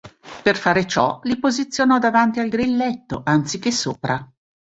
Per fare ciò li posizionò davanti al grilletto anziché sopra.